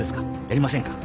やりませんか？